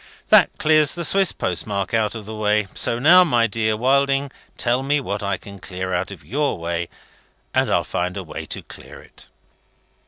That clears the Swiss postmark out of the way. So now, my dear Wilding, tell me what I can clear out of your way, and I'll find a way to clear it."